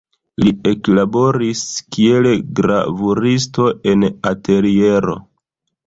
Li eklaboris kiel gravuristo en ateliero.